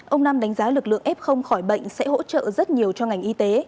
ông nam đánh giá lực lượng f khỏi bệnh sẽ hỗ trợ rất nhiều cho ngành y tế